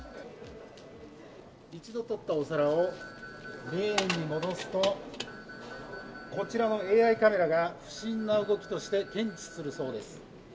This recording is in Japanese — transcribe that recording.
一度取ったお皿をレーンに戻すと、こちらのＡＩカメラが不審な動きとして検知するそうです。